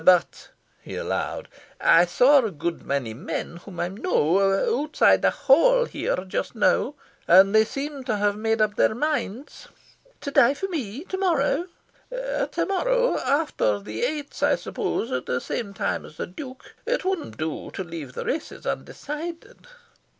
"But," he allowed, "I saw a good many men whom I know, outside the Hall here, just now, and they seemed to have made up their minds." "To die for me? To morrow?" "To morrow. After the Eights, I suppose; at the same time as the Duke. It wouldn't do to leave the races undecided."